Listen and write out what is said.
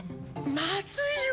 まずいよ。